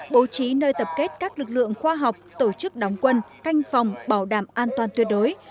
bố trí nơi tập kết các lực lượng khoa học tổ chức đóng quân canh phòng bảo đảm an toàn tuyệt đối